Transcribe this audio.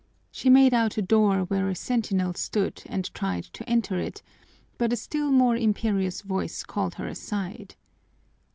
She made out a door where a sentinel stood and tried to enter it, but a still more imperious voice called her aside.